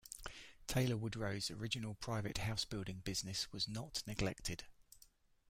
Taylor Woodrow's original private housebuilding business was not neglected.